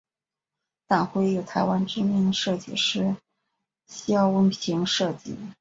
党徽由台湾知名设计师萧文平设计。